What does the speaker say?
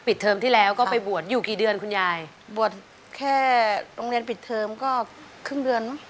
เทอมที่แล้วก็ไปบวชอยู่กี่เดือนคุณยายบวชแค่โรงเรียนปิดเทอมก็ครึ่งเดือนมั้